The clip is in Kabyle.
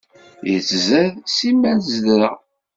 Yettzad simmal zeddreɣ.